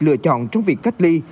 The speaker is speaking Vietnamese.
lựa chọn trong việc cách ly